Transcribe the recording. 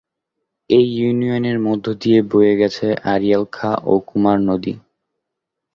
এই ইউনিয়নের মধ্য দিয়ে বয়ে গেছে আড়িয়াল খাঁ ও কুমার নদী।